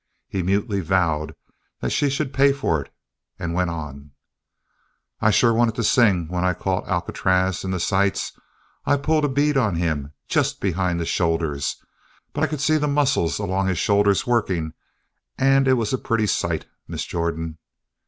He mutely vowed that she should pay for it, and went on: "I sure wanted to sing when I caught Alcatraz in the sights. I pulled a bead on him just behind the shoulder but I could see the muscles along his shoulders working and it was a pretty sight, Miss Jordan."